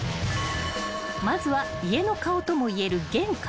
［まずは家の顔ともいえる玄関］